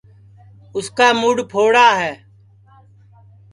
اُس کا موڈؔ پھوڑا ہے